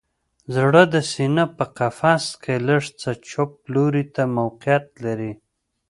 زړه د سینه په قفس کې لږ څه چپ لوري ته موقعیت لري